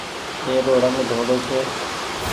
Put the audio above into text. اي رو رنگ ڌوڙو ڇي۔